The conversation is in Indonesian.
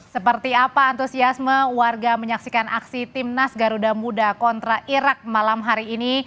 seperti apa antusiasme warga menyaksikan aksi timnas garuda muda kontra irak malam hari ini